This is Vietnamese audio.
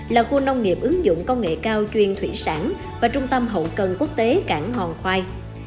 là khu nông nghiệp ứng dụng công nghệ cao chuyên thủy sản và trung tâm hậu cần quốc tế cảng hòn khoai